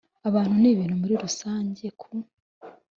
Abantu n’ibintu muri rusange ku